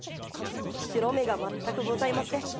白目が全くございません。